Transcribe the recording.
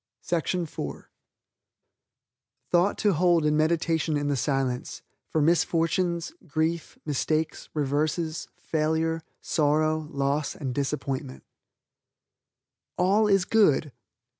THOUGHT TO HOLD IN MEDITATION IN THE SILENCE FOR MISFORTUNES, GRIEF, MISTAKES, REVERSES, FAILURE, SORROW, LOSS AND DISAPPOINTMENT "All is Good."